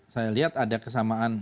saya lihat ada kesamaan